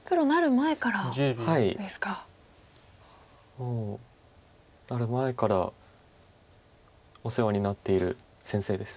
もうなる前からお世話になっている先生です。